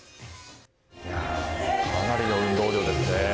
かなりの運動量ですね。